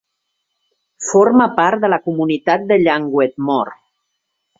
Forma part de la Comunitat de Llangoedmor.